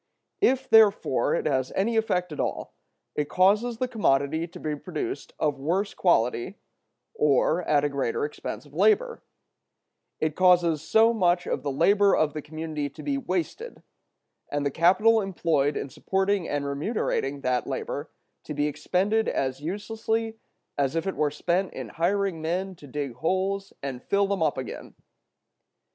If, therefore, it has any effect at all, it causes the commodity to be produced of worse quality, or at a greater expense of labor; it causes so much of the labor of the community to be wasted, and the capital employed in supporting and remunerating that labor to be expended as uselessly as if it were spent in hiring men to dig holes and fill them up again.